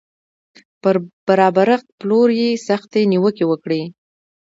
پر برابرښت پلور یې سختې نیوکې وکړې